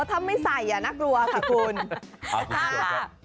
ถ้าไม่ใส่อย่านักลัวขอบคุณ